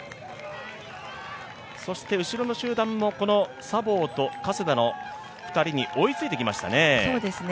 そして後ろの集団もサボーと加世田の２人に追いついてきましたね。